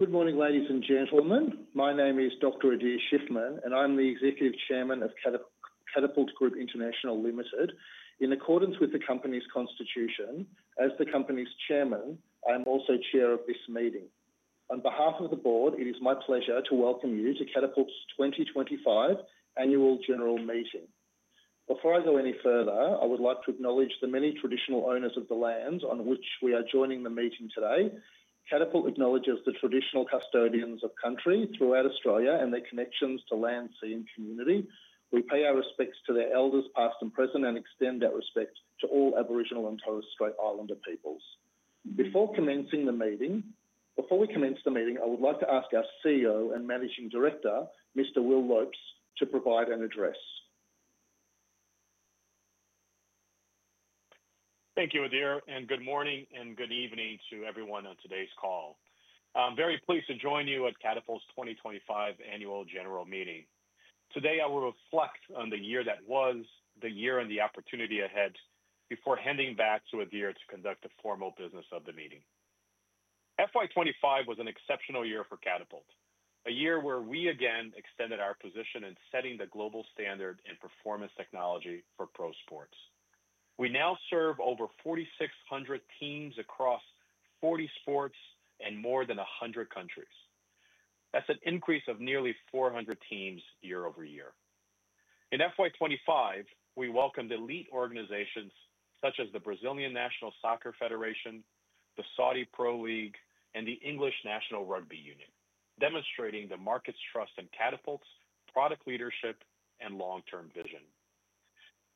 Good morning, ladies and gentlemen. My name is Dr. Adir Shiffman, and I'm the Executive Chairman of Catapult Group International Limited. In accordance with the company's constitution, as the company's Chairman, I am also Chair of this meeting. On behalf of the Board, it is my pleasure to welcome you to Catapult's 2025 Annual General Meeting. Before I go any further, I would like to acknowledge the many traditional owners of the lands on which we are joining the meeting today. Catapult acknowledges the traditional custodians of country throughout Australia and their connections to land, sea, and community. We pay our respects to their elders, past and present, and extend our respects to all Aboriginal and Torres Strait Islander peoples. Before commencing the meeting, I would like to ask our CEO and Managing Director, Mr. Will Lopes, to provide an address. Thank you, Adir, and good morning and good evening to everyone on today's call. I'm very pleased to join you at Catapult's 2025 Annual General Meeting. Today, I will reflect on the year that was, the year, and the opportunity ahead, before handing back to Adir to conduct the formal business of the meeting. FY25 was an exceptional year for Catapult, a year where we again extended our position in setting the global standard in performance technology for pro sports. We now serve over 4,600 teams across 40 sports and more than 100 countries. That's an increase of nearly 400 teams year-over-year. In FY25, we welcomed elite organizations such as the Brazilian National Soccer Federation, the Saudi Pro League, and the English National Rugby Union, demonstrating the market's trust in Catapult's product leadership and long-term vision.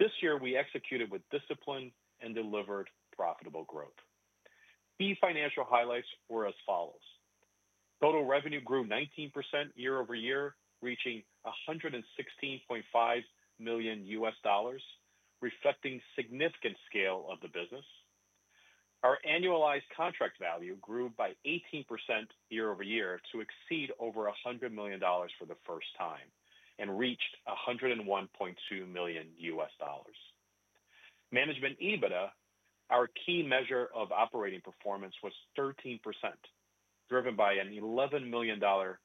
This year, we executed with discipline and delivered profitable growth. Key financial highlights were as follows: total revenue grew 19% year-over-year, reaching $116.5 million, reflecting significant scale of the business. Our annualized contract value grew by 18% year-over-year to exceed $100 million for the first time and reached $101.2 million. Management EBITDA, our key measure of operating performance, was 13%, driven by an $11 million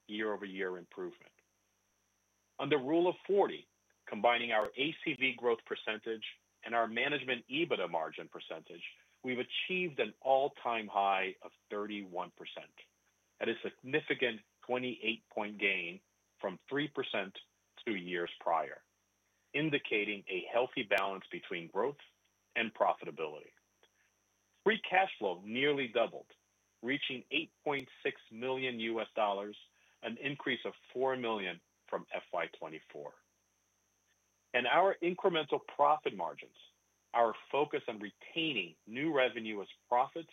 year-over-year improvement. Under Rule of 40, combining our ACV growth percentage and our management EBITDA margin percentage, we've achieved an all-time high of 31%. That is a significant 28-point gain from 3% two years prior, indicating a healthy balance between growth and profitability. Free cash flow nearly doubled, reaching $8.6 million, an increase of $4 million from FY24. Our incremental profit margins, our focus on retaining new revenue as profits,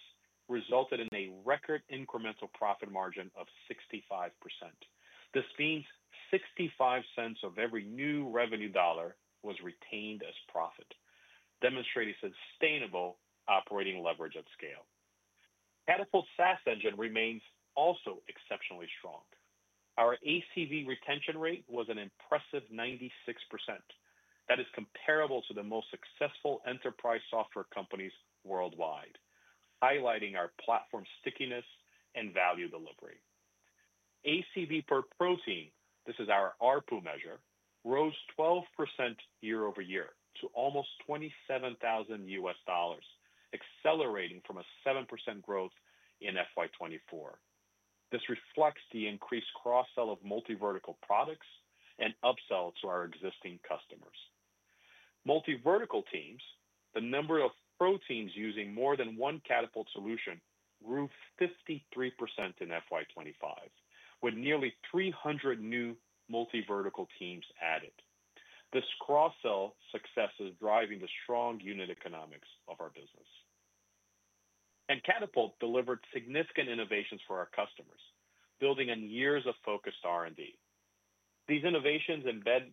resulted in a record incremental profit margin of 65%. This means $0.65 of every new revenue dollar was retained as profit, demonstrating sustainable operating leverage at scale. Catapult's SaaS engine remains also exceptionally strong. Our ACV retention rate was an impressive 96%. That is comparable to the most successful enterprise software companies worldwide, highlighting our platform stickiness and value delivery. ACV per pro team, this is our ARPU measure, rose 12% year-over-year to almost $27,000, accelerating from a 7% growth in FY24. This reflects the increased cross-sell of multivertical products and upsell to our existing customers. Multivertical teams, the number of pro teams using more than one Catapult solution, grew 53% in FY25, with nearly 300 new multivertical teams added. This cross-sell success is driving the strong unit economics of our business. Catapult delivered significant innovations for our customers, building on years of focused R&D. These innovations embed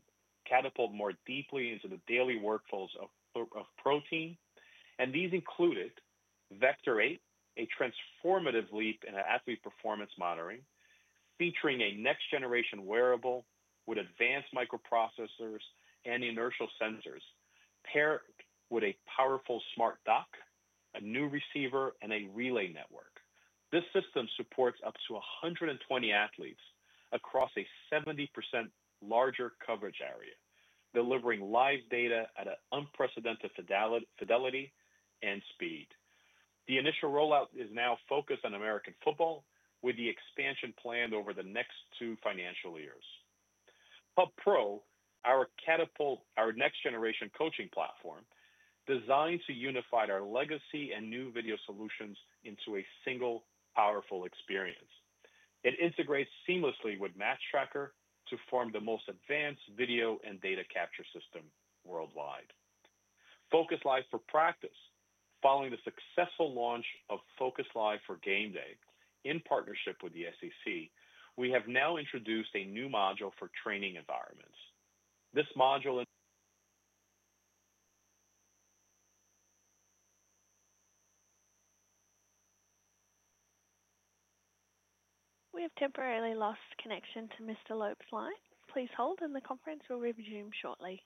Catapult more deeply into the daily workflows of pro teams, and these included Vector 8, a transformative leap in athlete performance monitoring, featuring a next-generation wearable with advanced microprocessors and inertial sensors, paired with a powerful smart dock, a new receiver, and a relay network. This system supports up to 120 athletes across a 70% larger coverage area, delivering live data at an unprecedented fidelity and speed. The initial rollout is now focused on American football, with the expansion planned over the next two financial years. Hub Pro, our next-generation coaching platform, is designed to unify our legacy and new video solutions into a single powerful experience. It integrates seamlessly with MatchTracker to form the most advanced video and data capture system worldwide. Focus Live for practice, following the successful launch of Focus Live for game day in partnership with the SEC, we have now introduced a new module for training environments. This module... We have temporarily lost connection to Mr. Lopes' line. Please hold, and the conference will resume shortly.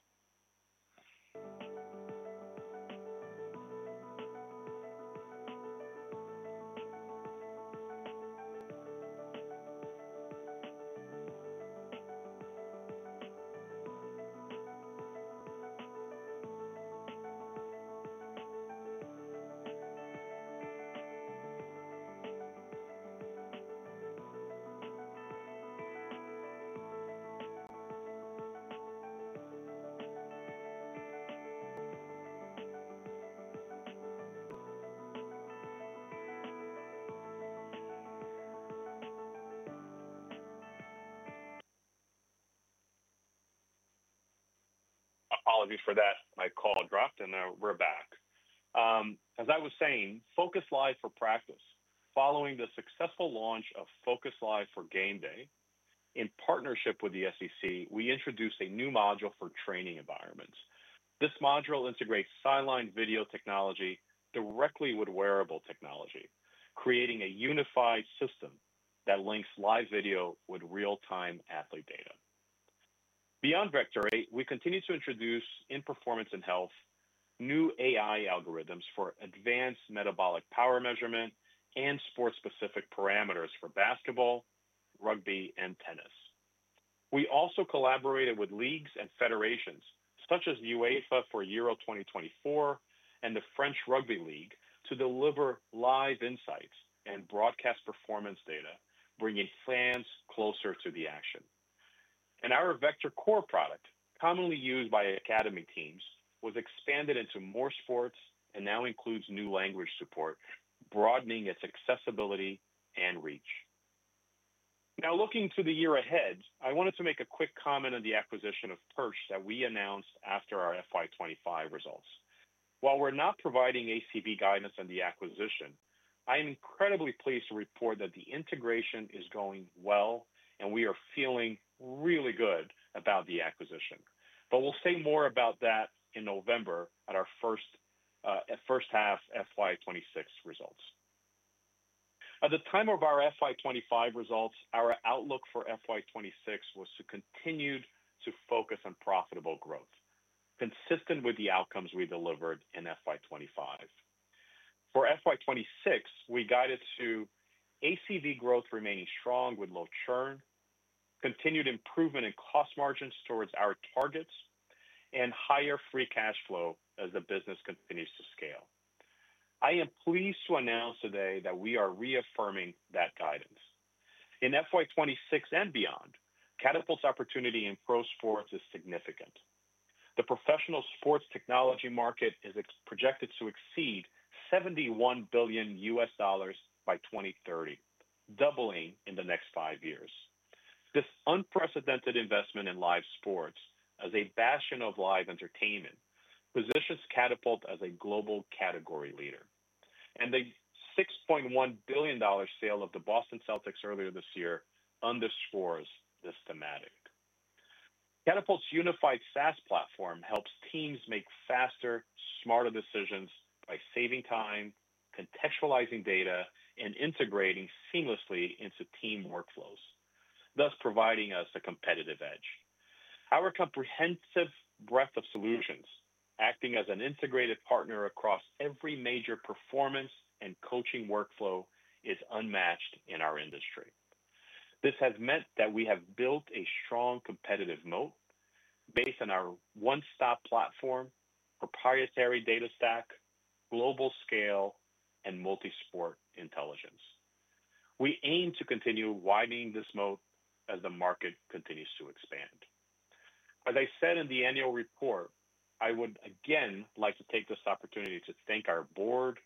Apologies for that. My call dropped, and we're back. As I was saying, Focus Live for practice, following the successful launch of Focus Live for game day, in partnership with the SEC, we introduced a new module for training environments. This module integrates sideline video technology directly with wearable technology, creating a unified system that links live video with real-time athlete data. Beyond Vector 8, we continue to introduce, in performance and health, new AI algorithms for advanced metabolic power measurement and sport-specific parameters for basketball, rugby, and tennis. We also collaborated with leagues and federations such as UEFA for Euro 2024 and the French Rugby League to deliver live insights and broadcast performance data, bringing fans closer to the action. Our Vector Core product, commonly used by academy teams, was expanded into more sports and now includes new language support, broadening its accessibility and reach. Now, looking to the year ahead, I wanted to make a quick comment on the acquisition of Perch that we announced after our FY25 results. While we're not providing ACV guidance on the acquisition, I'm incredibly pleased to report that the integration is going well, and we are feeling really good about the acquisition. We will say more about that in November at our first half FY26 results. At the time of our FY25 results, our outlook for FY26 was to continue to focus on profitable growth, consistent with the outcomes we delivered in FY25. For FY26, we guided to ACV growth remaining strong with low churn, continued improvement in cost margins towards our targets, and higher free cash flow as the business continues to scale. I am pleased to announce today that we are reaffirming that guidance. In FY26 and beyond, Catapult's opportunity in pro sports is significant. The professional sports technology market is projected to exceed $71 billion by 2030, doubling in the next five years. This unprecedented investment in live sports, as a bastion of live entertainment, positions Catapult as a global category leader. The $6.1 billion sale of the Boston Celtics earlier this year underscores this thematic. Catapult's unified SaaS platform helps teams make faster, smarter decisions by saving time, contextualizing data, and integrating seamlessly into team workflows, thus providing us a competitive edge. Our comprehensive breadth of solutions, acting as an integrated partner across every major performance and coaching workflow, is unmatched in our industry. This has meant that we have built a strong competitive moat based on our one-stop platform, proprietary data stack, global scale, and multi-sport intelligence. We aim to continue widening this moat as the market continues to expand. As I said in the annual report, I would again like to take this opportunity to thank our Board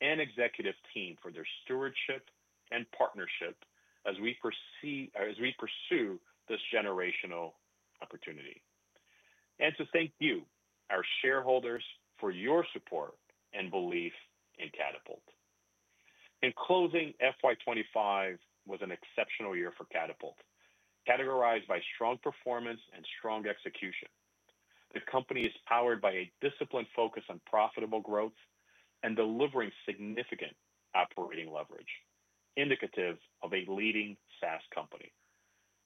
and executive team for their stewardship and partnership as we pursue this generational opportunity. I also want to thank you, our shareholders, for your support and belief in Catapult. In closing, FY25 was an exceptional year for Catapult, categorized by strong performance and strong execution. The company is powered by a disciplined focus on profitable growth and delivering significant operating leverage, indicative of a leading SaaS company.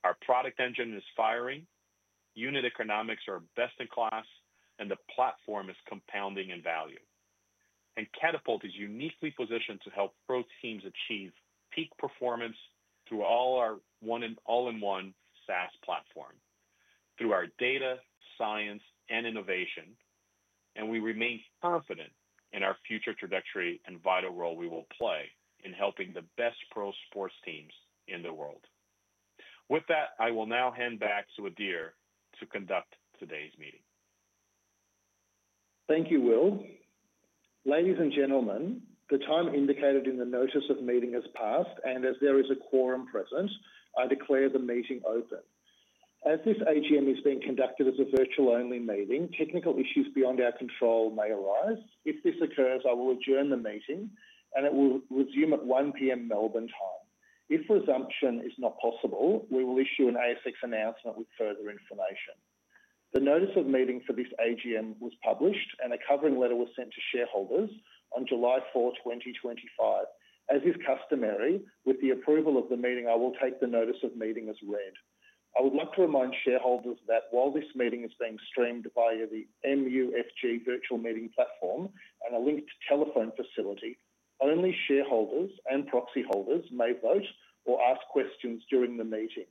Our product engine is firing, unit economics are best in class, and the platform is compounding in value. Catapult is uniquely positioned to help pro teams achieve peak performance through our all-in-one SaaS platform, through our data, science, and innovation. We remain confident in our future trajectory and vital role we will play in helping the best pro sports teams in the world. With that, I will now hand back to Adir to conduct today's meeting. Thank you, Will. Ladies and gentlemen, the time indicated in the notice of meeting has passed, and as there is a quorum present, I declare the meeting open. As this AGM is being conducted as a virtual-only meeting, technical issues beyond our control may arise. If this occurs, I will adjourn the meeting, and it will resume at 1:00 P.M. Melbourne time. If resumption is not possible, we will issue an ASX announcement with further information. The notice of meeting for this AGM was published, and a covering letter was sent to shareholders on July 4, 2025. As is customary, with the approval of the meeting, I will take the notice of meeting as read. I would like to remind shareholders that while this meeting is being streamed via the MUFG virtual meeting platform and a linked telecom facility, only shareholders and proxy holders may vote or ask questions during the meeting.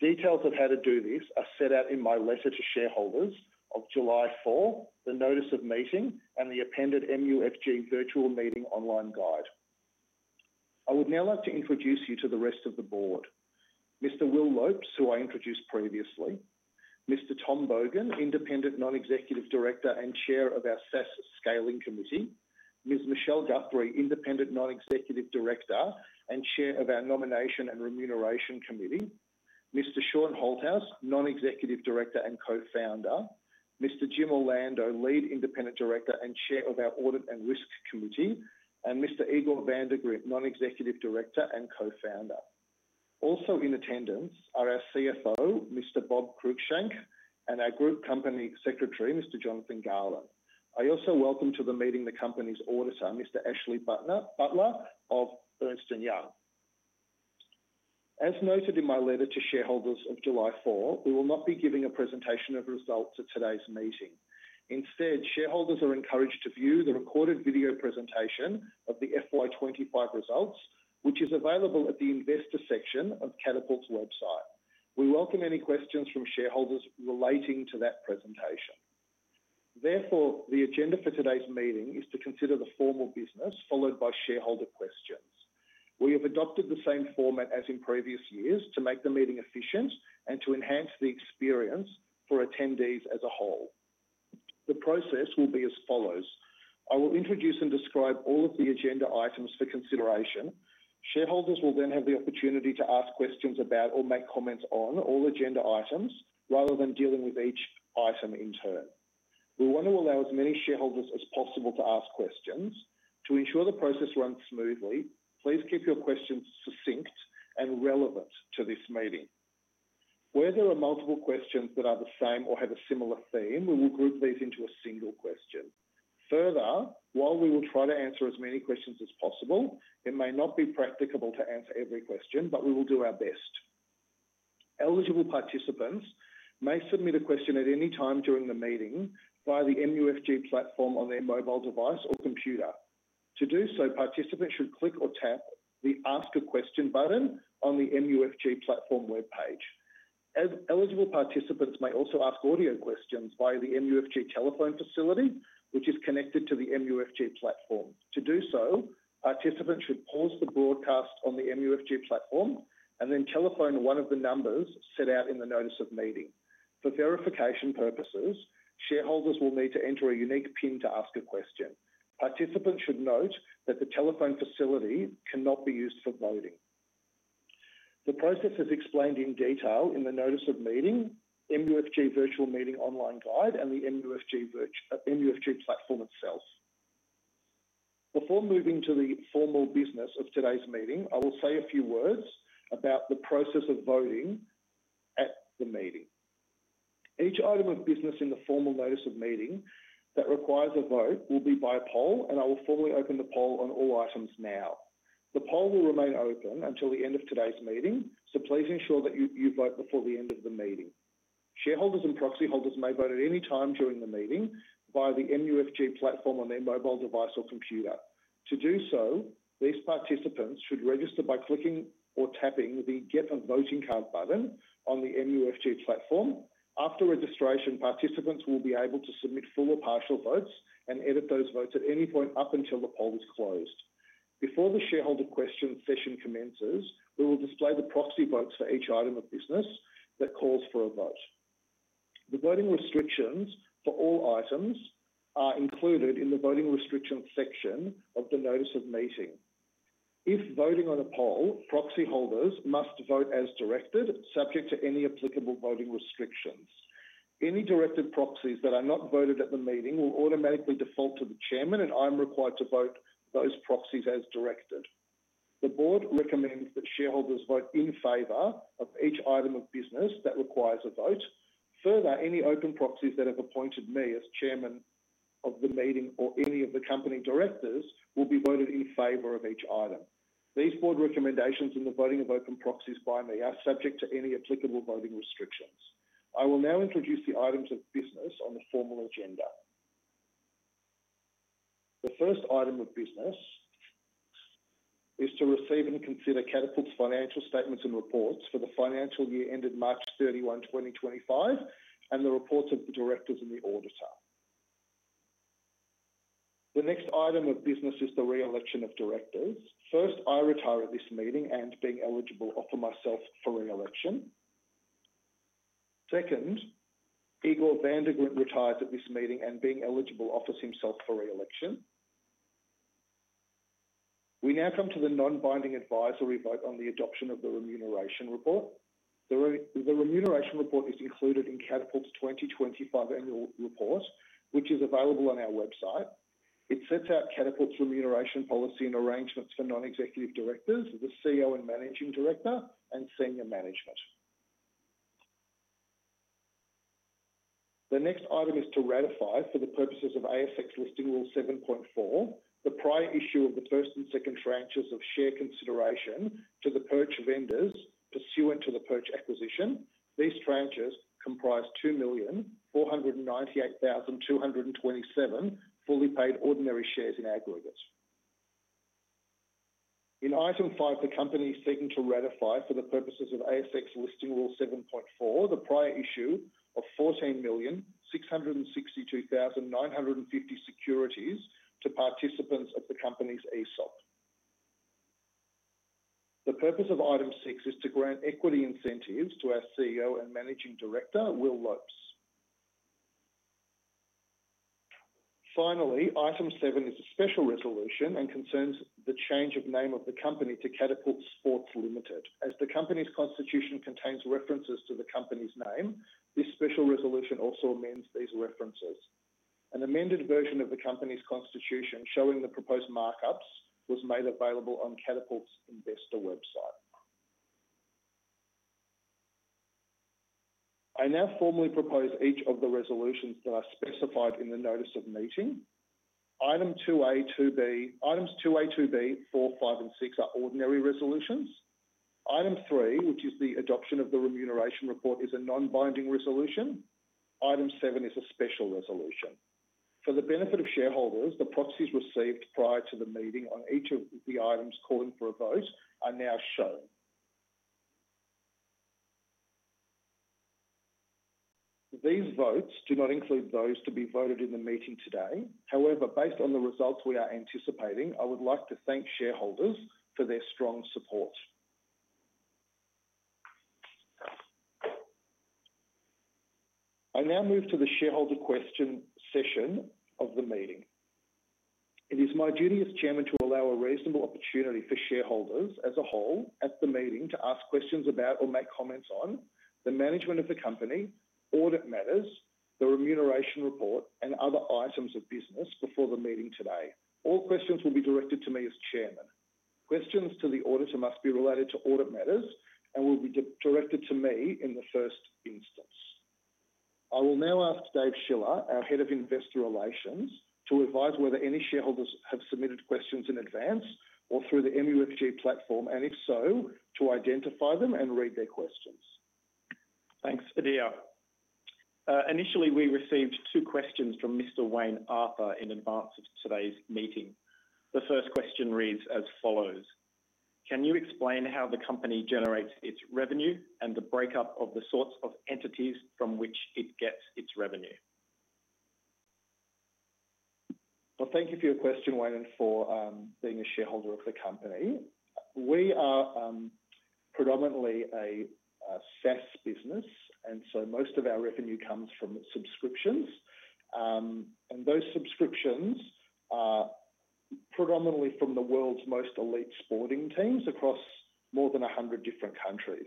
Details of how to do this are set out in my letter to shareholders of July 4, the notice of meeting, and the appended MUFG virtual meeting online guide. I would now like to introduce you to the rest of the board: Mr. Will Lopes, who I introduced previously; Mr. Tom Bogan, Independent Non-Executive Director and Chair of our SaaS Scaling Committee; Ms. Michelle Guthrie, Independent Non-Executive Director and Chair of our Nomination and Remuneration Committee; Mr. Shaun Holthouse, Non-Executive Director and Co-Founder; Mr. Jim Orlando, Lead Independent Director and Chair of our Audit and Risk Committee; and Mr. Igor van de Griendt, Non-Executive Director and Co-Founder. Also in attendance are our CFO, Mr. Bob Cruickshank, and our Group Company Secretary, Mr. Jonathan Garland. I also welcome to the meeting the company's auditor, Mr. Ashley Butler of Ernst & Young. As noted in my letter to shareholders of July 4, we will not be giving a presentation of results at today's meeting. Instead, shareholders are encouraged to view the recorded video presentation of the FY25 results, which is available at the Investor section of Catapult's website. We welcome any questions from shareholders relating to that presentation. Therefore, the agenda for today's meeting is to consider the formal business followed by shareholder questions. We have adopted the same format as in previous years to make the meeting efficient and to enhance the experience for attendees as a whole. The process will be as follows: I will introduce and describe all of the agenda items for consideration. Shareholders will then have the opportunity to ask questions about or make comments on all agenda items rather than dealing with each item in turn. We want to allow as many shareholders as possible to ask questions. To ensure the process runs smoothly, please keep your questions succinct and relevant to this meeting. Where there are multiple questions that are the same or have a similar theme, we will group these into a single question. Further, while we will try to answer as many questions as possible, it may not be practicable to answer every question, but we will do our best. Eligible participants may submit a question at any time during the meeting via the MUFG platform on their mobile device or computer. To do so, participants should click or tap the Ask a Question button on the MUFG platform web page. Eligible participants may also ask audio questions via the MUFG telephone facility, which is connected to the MUFG platform. To do so, participants should pause the broadcast on the MUFG platform and then telephone one of the numbers set out in the notice of meeting. For verification purposes, shareholders will need to enter a unique PIN to ask a question. Participants should note that the telephone facility cannot be used for voting. The process is explained in detail in the notice of meeting, MUFG virtual meeting online guide, and the MUFG platform itself. Before moving to the formal business of today's meeting, I will say a few words about the process of voting at the meeting. Each item of business in the formal notice of meeting that requires a vote will be by poll, and I will formally open the poll on all items now. The poll will remain open until the end of today's meeting, so please ensure that you vote before the end of the meeting. Shareholders and proxy holders may vote at any time during the meeting via the MUFG platform on their mobile device or computer. To do so, these participants should register by clicking or tapping the Get a Voting Card button on the MUFG platform. After registration, participants will be able to submit full or partial votes and edit those votes at any point up until the poll is closed. Before the shareholder question session commences, we will display the proxy votes for each item of business that calls for a vote. The voting restrictions for all items are included in the voting restrictions section of the notice of meeting. If voting on a poll, proxy holders must vote as directed, subject to any applicable voting restrictions. Any directed proxies that are not voted at the meeting will automatically default to the Chairman, and I'm required to vote those proxies as directed. The Board recommends that shareholders vote in favor of each item of business that requires a vote. Further, any open proxies that have appointed me as Chairman of the meeting or any of the Company Directors will be voted in favor of each item. These Board recommendations in the voting of open proxies by me are subject to any applicable voting restrictions. I will now introduce the items of business on the formal agenda. The first item of business is to receive and consider Catapult's financial statements and reports for the financial year ended March 31, 2025, and the reports of the Directors and the Auditor. The next item of business is the reelection of Directors. First, I retire at this meeting and, being eligible, offer myself for reelection. Second, Igor van de Griendt retires at this meeting and, being eligible, offers himself for reelection. We now come to the non-binding advisory vote on the adoption of the remuneration report. The remuneration report is included in Catapult's 2025 annual reports, which is available on our website. It sets out Catapult's remuneration policy and arrangements for Non-Executive Directors, the CEO and Managing Director, and senior management. The next item is to ratify for the purposes of ASX Listing Rule 7.4, the prior issue of the first and second tranches of share consideration to the purchase vendors pursuant to the purchase acquisition. These tranches comprise 2,498,227 fully paid ordinary shares in aggregate. In item five, the Company is seeking to ratify for the purposes of ASX Listing Rule 7.4, the prior issue of 14,662,950 securities to participants of the Company's ESOP. The purpose of item six is to grant equity incentives to our CEO and Managing Director, Will Lopes. Finally, item seven is a special resolution and concerns the change of name of the Company to Catapult Sports Limited. As the Company's constitution contains references to the Company's name, this special resolution also amends these references. An amended version of the Company's constitution showing the proposed markups was made available on Catapult's investor website. I now formally propose each of the resolutions that are specified in the notice of meeting. Item 2(a), 2(b), items 2(a), 2(b), four, five, and six are ordinary resolutions. Item three, which is the adoption of the remuneration report, is a non-binding resolution. Item seven is a special resolution. For the benefit of shareholders, the proxies received prior to the meeting on each of the items calling for a vote are now shown. These votes do not include those to be voted in the meeting today. However, based on the results we are anticipating, I would like to thank shareholders for their strong support. I now move to the shareholder question session of the meeting. It is my duty as Chairman to allow a reasonable opportunity for shareholders as a whole at the meeting to ask questions about or make comments on the management of the company, audit matters, the remuneration report, and other items of business before the meeting today. All questions will be directed to me as Chairman. Questions to the auditor must be related to audit matters and will be directed to me in the first instance. I will now ask Dave Schiller, our Head of Investor Relations, to advise whether any shareholders have submitted questions in advance or through the MUFG platform, and if so, to identify them and read their questions. Thanks, Adir. Initially, we received two questions from Mr. Wayne Arthur in advance of today's meeting. The first question reads as follows: Can you explain how the company generates its revenue and the breakup of the sorts of entities from which it gets its revenue? Thank you for your question, Wayne, and for being a shareholder of the company. We are predominantly a SaaS business, so most of our revenue comes from subscriptions. Those subscriptions are predominantly from the world's most elite sporting teams across more than 100 different countries.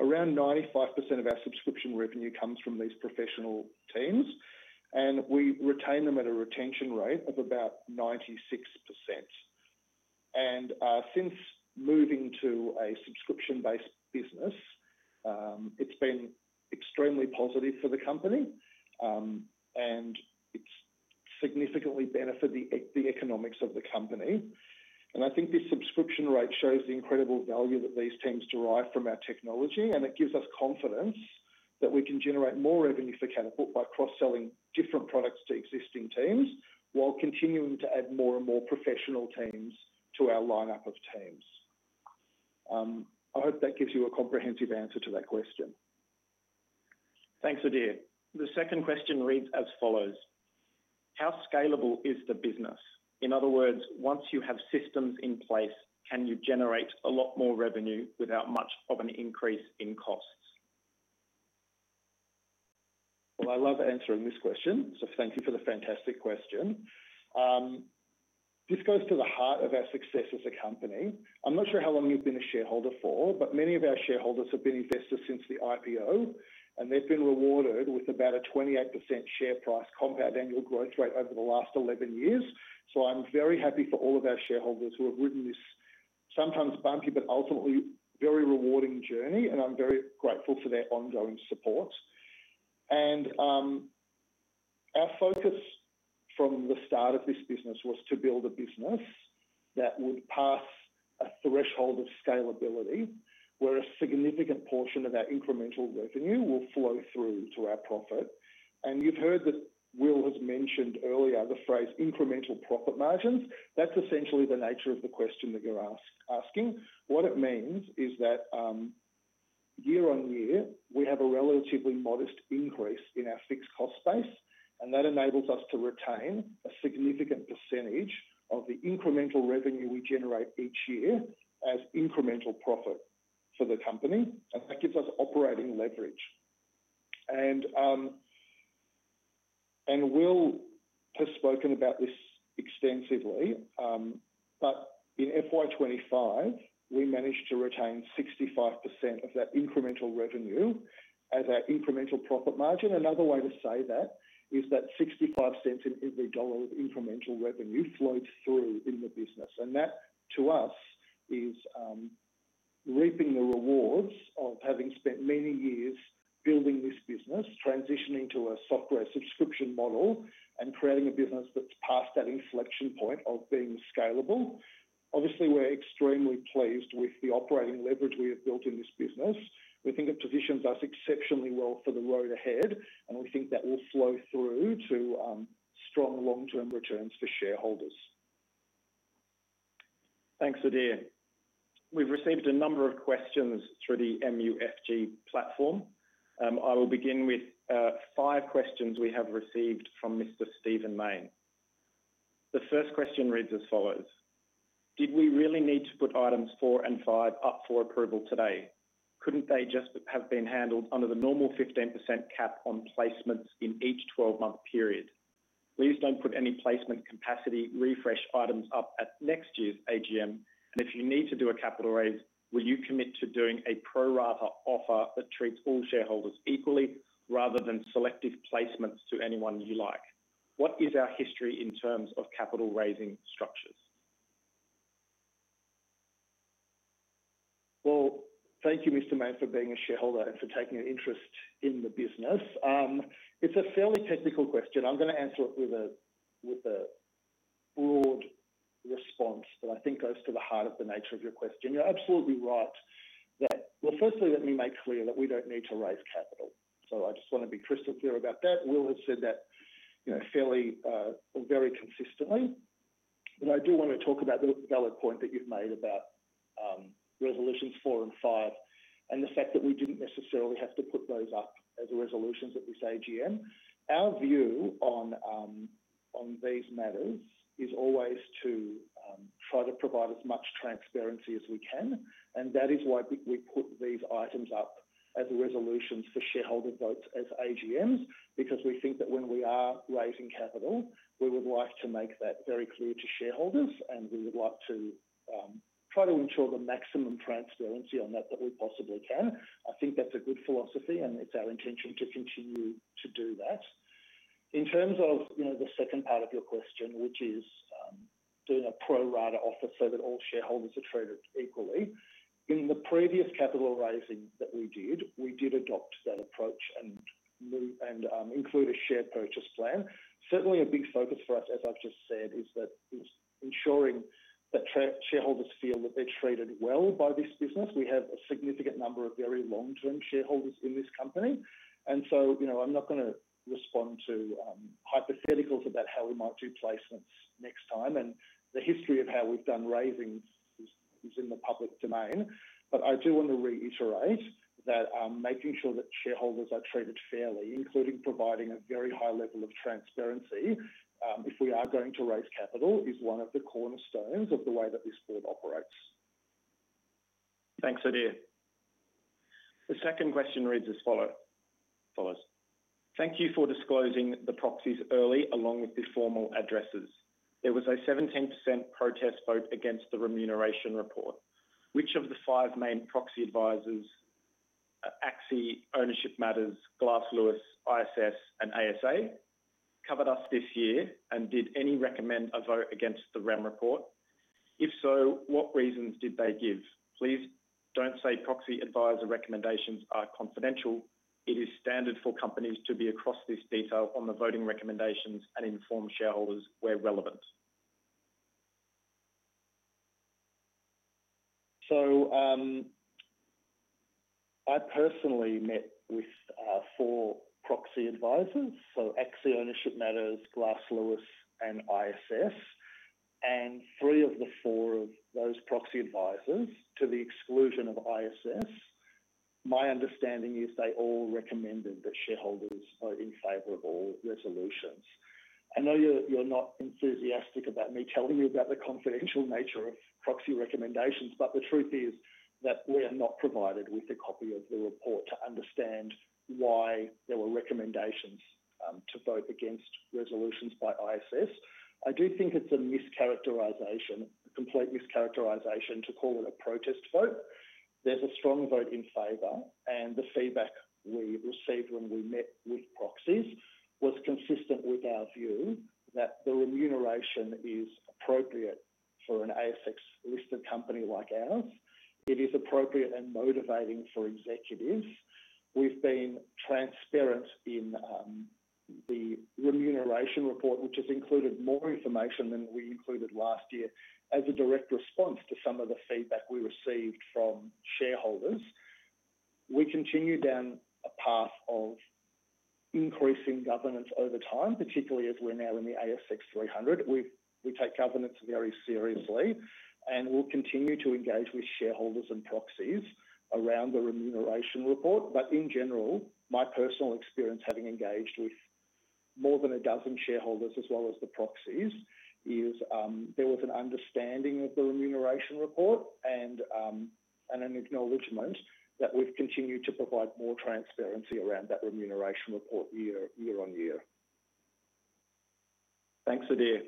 Around 95% of our subscription revenue comes from these professional teams, and we retain them at a retention rate of about 96%. Since moving to a subscription-based business, it's been extremely positive for the company, and it's significantly benefited the economics of the company. I think this subscription rate shows the incredible value that these teams derive from our technology, and it gives us confidence that we can generate more revenue for Catapult by cross-selling different products to existing teams while continuing to add more and more professional teams to our lineup of teams. I hope that gives you a comprehensive answer to that question. Thanks, Adir. The second question reads as follows: How scalable is the business? In other words, once you have systems in place, can you generate a lot more revenue without much of an increase in costs? Thank you for the fantastic question. This goes to the heart of our success as a company. I'm not sure how long you've been a shareholder for, but many of our shareholders have been investors since the IPO, and they've been rewarded with about a 28% share price compound annual growth rate over the last 11 years. I'm very happy for all of our shareholders who have ridden this sometimes bumpy but ultimately very rewarding journey, and I'm very grateful for their ongoing support. Our focus from the start of this business was to build a business that would pass a threshold of scalability, where a significant portion of that incremental revenue will flow through to our profit. You've heard that Will has mentioned earlier the phrase incremental profit margins. That's essentially the nature of the question that you're asking. What it means is that year on year, we have a relatively modest increase in our fixed cost base, and that enables us to retain a significant percentage of the incremental revenue we generate each year as incremental profit for the company, and that gives us operating leverage. Will has spoken about this extensively, but in FY25 we managed to retain 65% of that incremental revenue as our incremental profit margin. Another way to say that is that $0.65 in every dollar of incremental revenue flows through in the business. That, to us, is reaping the rewards of having spent many years building this business, transitioning to a software subscription model, and creating a business that's past that inflection point of being scalable. Obviously, we're extremely pleased with the operating leverage we have built in this business. We think it positions us exceptionally well for the road ahead, and we think that will flow through to strong long-term returns for shareholders. Thanks, Adir. We've received a number of questions through the MUFG platform. I will begin with five questions we have received from Mr. Stephen Mayne. The first question reads as follows: Did we really need to put items four and five up for approval today? Couldn't they just have been handled under the normal 15% cap on placements in each 12-month period? Please don't put any placement capacity refresh items up at next year's AGM, and if you need to do a capital raise, will you commit to doing a pro-rata offer that treats all shareholders equally rather than selective placements to anyone you like? What is our history in terms of capital raising structures? Thank you, Mr. Mayne, for being a shareholder and for taking an interest in the business. It's a fairly technical question. I'm going to answer it with a response that I think goes to the heart of the nature of your question. You're absolutely right that, firstly, let me make clear that we don't need to raise capital. I just want to be crystal clear about that. Will has said that, you know, fairly or very consistently. I do want to talk about the valid point that you've made about resolutions four and five and the fact that we didn't necessarily have to put those up as resolutions at this AGM. Our view on these matters is always to try to provide as much transparency as we can. That is why we put these items up as resolutions for shareholder votes at AGMs, because we think that when we are raising capital, we would like to make that very clear to shareholders, and we would like to try to ensure the maximum transparency on that that we possibly can. I think that's a good philosophy, and it's our intention to continue to do that. In terms of the second part of your question, which is doing a pro-rata offer so that all shareholders are treated equally, in the previous capital raising that we did, we did adopt that approach and include a share purchase plan. Certainly, a big focus for us, as I've just said, is ensuring that shareholders feel that they're treated well by this business. We have a significant number of very long-term shareholders in this company. I'm not going to respond to hypotheticals about how we might do placements next time. The history of how we've done raising is in the public domain. I do want to reiterate that making sure that shareholders are treated fairly, including providing a very high level of transparency if we are going to raise capital, is one of the cornerstones of the way that this board operates. Thanks, Adir. The second question reads as follows. Thank you for disclosing the proxies early, along with the formal addresses. There was a 17% protest vote against the remuneration report. Which of the five main proxy advisors, Axi, Ownership Matters, Glass Lewis, ISS, and ASA covered us this year and did any recommend a vote against the REM report? If so, what reasons did they give? Please don't say proxy advisor recommendations are confidential. It is standard for companies to be across this detail on the voting recommendations and inform shareholders where relevant. I personally met with four proxy advisors: Axi, Ownership Matters, Glass Lewis, and ISS. Three of the four of those proxy advisors, to the exclusion of ISS, my understanding is they all recommended that shareholders vote in favor of all resolutions. I know you're not enthusiastic about me telling you about the confidential nature of proxy recommendations, but the truth is that we are not provided with a copy of the report to understand why there were recommendations to vote against resolutions by ISS. I do think it's a mischaracterization, a complete mischaracterization to call it a protest vote. There's a strong vote in favor, and the feedback we received when we met with proxies was consistent with our view that the remuneration is appropriate for an ASX-listed company like ours. It is appropriate and motivating for executives. We've been transparent in the remuneration report, which has included more information than we included last year as a direct response to some of the feedback we received from shareholders. We continue down a path of increasing governance over time, particularly as we're now in the ASX 300. We take governance very seriously, and we'll continue to engage with shareholders and proxies around the remuneration report. In general, my personal experience having engaged with more than a dozen shareholders as well as the proxies is there was an understanding of the remuneration report and an acknowledgement that we've continued to provide more transparency around that remuneration report year-on-year. Thanks, Adir.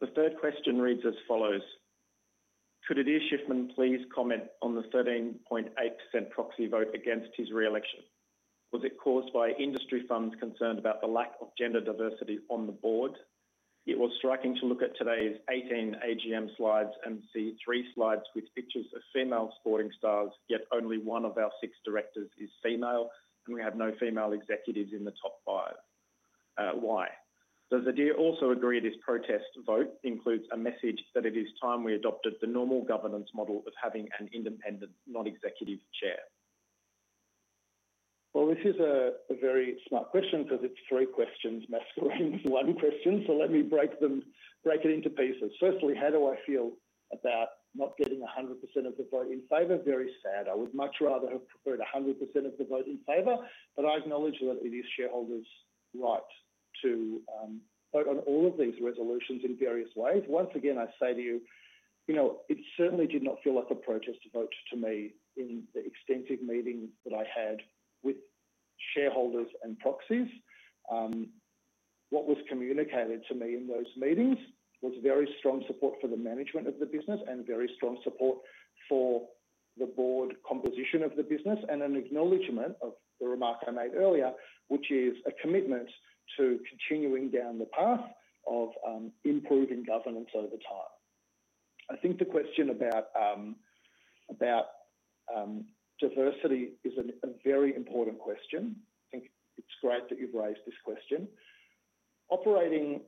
The third question reads as follows. Could Adir Shiffman please comment on the 13.8% proxy vote against his reelection? Was it caused by industry firms concerned about the lack of gender diversity on the board? It was striking to look at today's 18 AGM slides and see three slides with pictures of female sporting stars, yet only one of our six directors is female, and we have no female executives in the top five. Why? Does Adir also agree this protest vote includes a message that it is time we adopted the normal governance model of having an independent non-executive chair? This is a very smart question because it's three questions matched to one question. Let me break it into pieces. Firstly, how do I feel about not getting 100% of the vote in favor? Very sad. I would much rather have preferred 100% of the vote in favor, but I acknowledge that it is shareholders' right to vote on all of these resolutions in various ways. Once again, I say to you, it certainly did not feel like a protest vote to me in the extensive meeting that I had with shareholders and proxies. What was communicated to me in those meetings was very strong support for the management of the business and very strong support for the board composition of the business and an acknowledgement of the remark I made earlier, which is a commitment to continuing down the path of improving governance over time. I think the question about diversity is a very important question. I think it's great that you've raised this question. Operating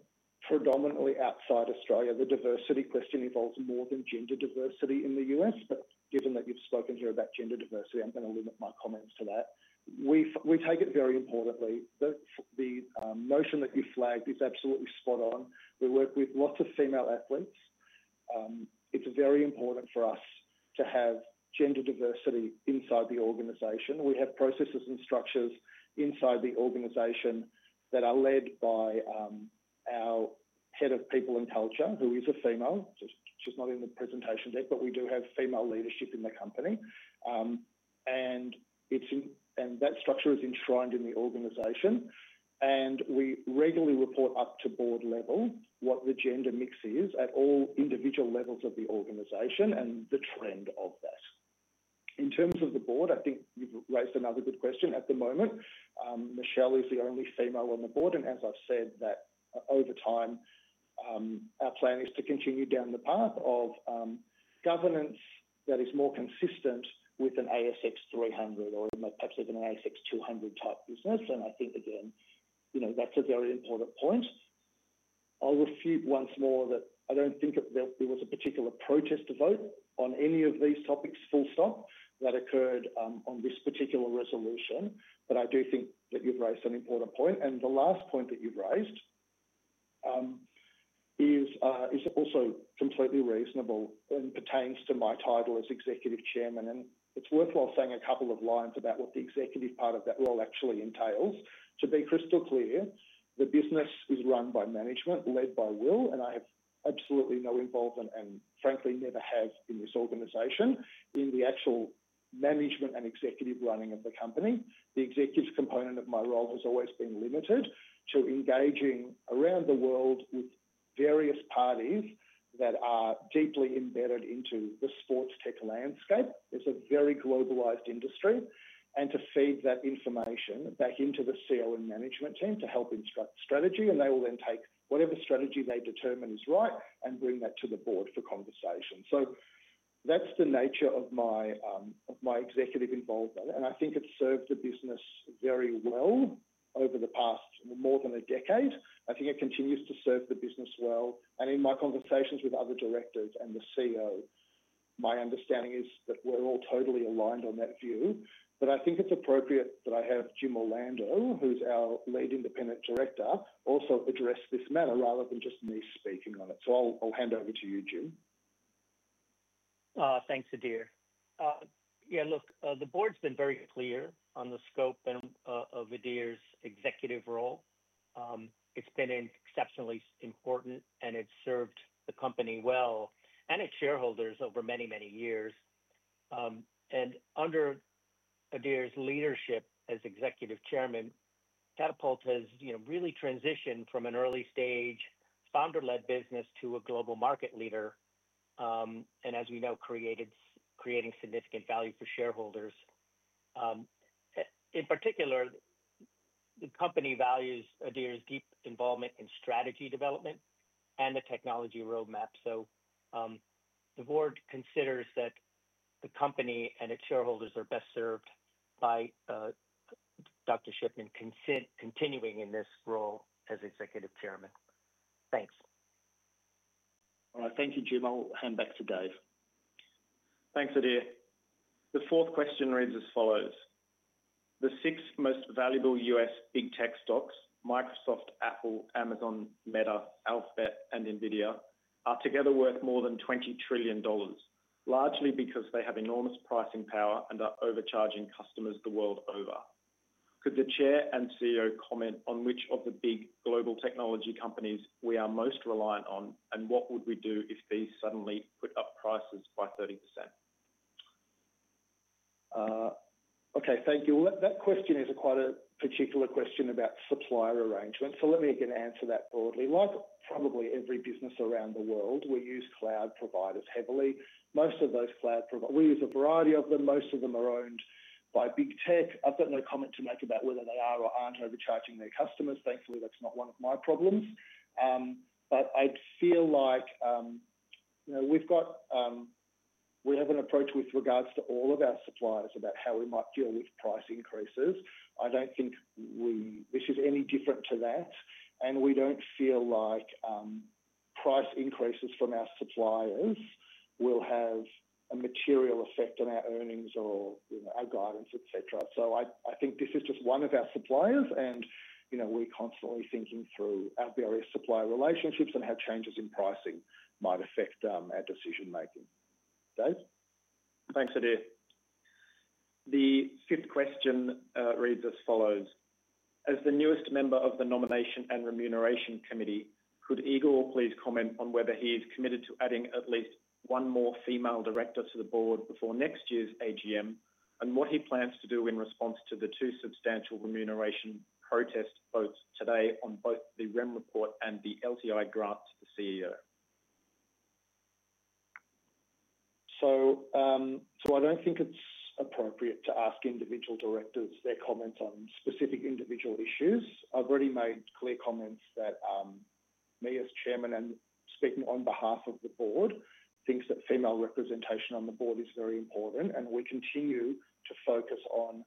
predominantly outside Australia, the diversity question involves more than gender diversity in the U.S. Given that you've spoken here about gender diversity, I'm going to limit my comments to that. We take it very importantly. The motion that you flagged is absolutely spot on. We work with lots of female athletes. It's very important for us to have gender diversity inside the organization. We have processes and structures inside the organization that are led by our Head of People and Culture, who is a female. She's not in the presentation yet, but we do have female leadership in the company. That structure is enshrined in the organization. We regularly report up to board level what the gender mix is at all individual levels of the organization and the trend of that. In terms of the board, I think you've raised another good question. At the moment, Michelle is the only female on the board. As I've said, over time, our plan is to continue down the path of governance that is more consistent with an ASX 300 or perhaps even an ASX 200 type business. I think, again, that's a very important point. I'll refute once more that I don't think that there was a particular protest vote on any of these topics, full stop, that occurred on this particular resolution. I do think that you've raised an important point. The last point that you've raised is also completely reasonable and pertains to my title as Executive Chairman. It's worthwhile saying a couple of lines about what the executive part of that role actually entails. To be crystal clear, the business is run by management led by Will, and I have absolutely no involvement and frankly never have in this organization in the actual management and executive running of the company. The executive component of my role has always been limited to engaging around the world with various parties that are deeply embedded into the sports tech landscape. It's a very globalized industry. I feed that information back into the sales and management team to help in strategy, and they will then take whatever strategy they determine is right and bring that to the board for conversation. That's the nature of my executive involvement. I think it's served the business very well over the past more than a decade. I think it continues to serve the business well. In my conversations with other directors and the CEO, my understanding is that we're all totally aligned on that view. I think it's appropriate that I have Jim Orlando, who's our Lead Independent Director, also address this matter rather than just me speaking on it. I'll hand over to you, Jim. Thanks, Adir. Yeah, look, the Board's been very clear on the scope of Adir's executive role. It's been exceptionally important, and it's served the company well and its shareholders over many, many years. Under Adir's leadership as Executive Chairman, Catapult has really transitioned from an early-stage founder-led business to a global market leader, and as we know, creating significant value for shareholders. In particular, the company values Adir's deep involvement in strategy development and the technology roadmap. The Board considers that the company and its shareholders are best served by Dr. Shiffman continuing in this role as Executive Chairman. Thanks. Thank you, Jim. I'll hand back to Dave. Thanks, Adir. The fourth question reads as follows. The six most valuable U.S. big tech stocks: Microsoft, Apple, Amazon, Meta, Alphabet, and NVIDIA are together worth more than $20 trillion, largely because they have enormous pricing power and are overcharging customers the world over. Could the Chair and CEO comment on which of the big global technology companies we are most reliant on, and what would we do if these suddenly put up prices by 30%? Okay, thank you. That question is quite a particular question about supplier arrangements. Let me again answer that broadly. Like probably every business around the world, we use cloud providers heavily. Most of those cloud providers, we use a variety of them. Most of them are owned by big tech. I've got no comment to make about whether they are or aren't overcharging their customers. Thankfully, that's not one of my problems. I feel like we have an approach with regards to all of our suppliers about how we might deal with price increases. I don't think this is any different to that. We don't feel like price increases from our suppliers will have a material effect on our earnings or our guidance, etc. I think this is just one of our suppliers, and you know we're constantly thinking through our various supplier relationships and how changes in pricing might affect our decision-making. Thanks, Adir. The fifth question reads as follows. As the newest member of the Nomination and Remuneration Committee, could Igor please comment on whether he is committed to adding at least one more female director to the board before next year's AGM and what he plans to do in response to the two substantial remuneration protests both today on both the REM report and the LTI grant to the CEO? I don't think it's appropriate to ask individual directors their comments on specific individual issues. I've already made clear comments that me, as Chairman, and speaking on behalf of the board, think that female representation on the board is very important, and we continue to focus on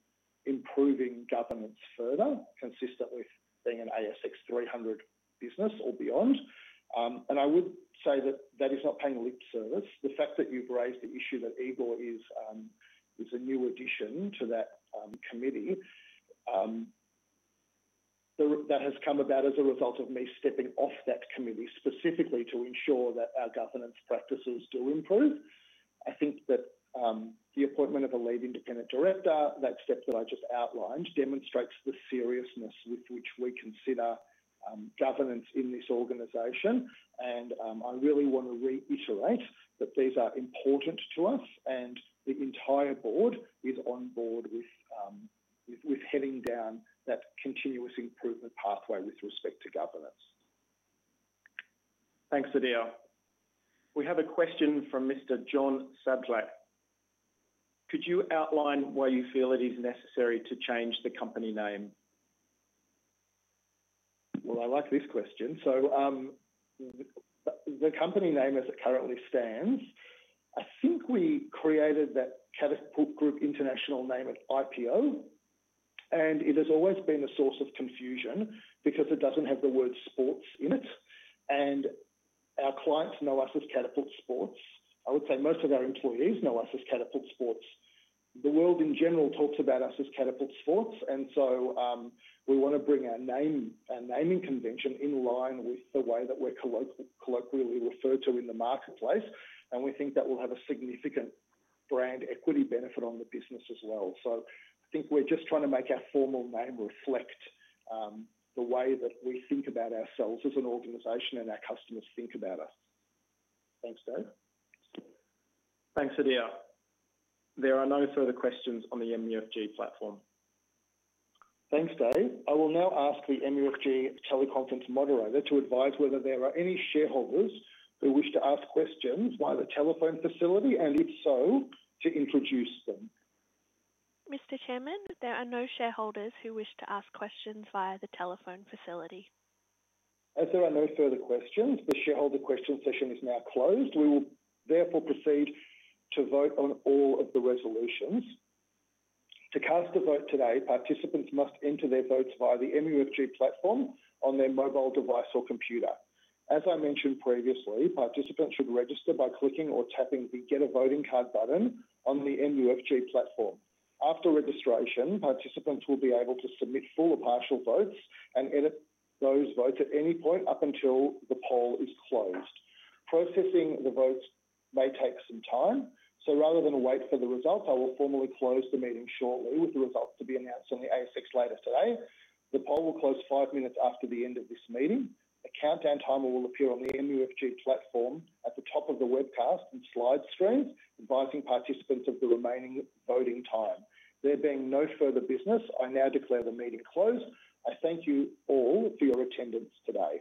improving governance further, consistent with being an ASX 300 business or beyond. I would say that that is not paying lip service. The fact that you've raised the issue that Igor is a new addition to that committee, that has come about as a result of me stepping off that committee specifically to ensure that our governance practices do improve. I think that the appointment of a Lead Independent Director, that step that I just outlined, demonstrates the seriousness with which we consider governance in this organization. I really want to reiterate that these are important to us, and the entire board is on board with heading down that continuous improvement pathway with respect to governance. Thanks, Adir. We have a question from [Mr. John Sadrak]. Could you outline why you feel it is necessary to change the company name? I like this question. The company name as it currently stands, I think we created that Catapult Group International name at IPO, and it has always been a source of confusion because it doesn't have the word sports in it. Our clients know us as Catapult Sports. I would say most of our employees know us as Catapult Sports. The world in general talks about us as Catapult Sports, and we want to bring our name and naming convention in line with the way that we're colloquially referred to in the marketplace. We think that will have a significant brand equity benefit on the business as well. I think we're just trying to make our formal name reflect the way that we think about ourselves as an organization and our customers think about us. Thanks, Dave. Thanks, Adir. There are no further questions on the MUFG platform. Thanks, Dave. I will now ask the MUFG teleconference moderator to advise whether there are any shareholders who wish to ask questions via the telephone facility, and if so, to introduce them. Mr. Chairman, there are no shareholders who wish to ask questions via the telephone facility. As there are no further questions, the shareholder question session is now closed. We will therefore proceed to vote on all of the resolutions. To cast a vote today, participants must enter their votes via the MUFG platform on their mobile device or computer. As I mentioned previously, participants should register by clicking or tapping the Get a Voting Card button on the MUFG platform. After registration, participants will be able to submit full or partial votes and edit those votes at any point up until the poll is closed. Processing the votes may take some time. Rather than wait for the results, I will formally close the meeting shortly with the results to be announced on the ASX later today. The poll will close five minutes after the end of this meeting. A countdown timer will appear on the MUFG platform at the top of the webcast and slide strings, advising participants of the remaining voting time. There being no further business, I now declare the meeting closed. I thank you all for your attendance today.